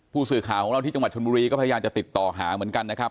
ผู้สื่อข่าวของเราที่จังหวัดชนบุรีก็พยายามจะติดต่อหาเหมือนกันนะครับ